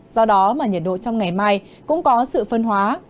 do đó mà nhiệt độ trong ngày mai cũng có sự phân hóa